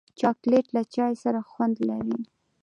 چاکلېټ له چای سره خوند لري.